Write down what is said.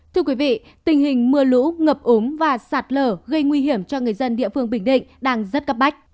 thưa quý vị tình hình mưa lũ ngập ống và sạt lở gây nguy hiểm cho người dân địa phương bình định đang rất cấp bách